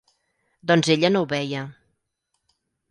Doncs ella no ho veia.